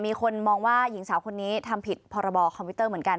มีคนมองว่าหญิงสาวคนนี้ทำผิดพรบคอมพิวเตอร์เหมือนกัน